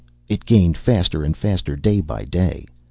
It gained faster and faster day by day.